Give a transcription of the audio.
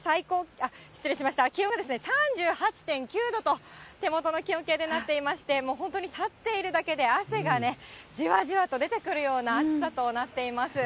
失礼しました、気温がですね、３８．９度と、手元の気温計でなっていまして、もう本当に立っているだけで汗がね、じわじわと出てくるような暑さとなっています。